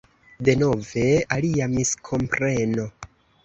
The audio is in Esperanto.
Denove alia miskompreno.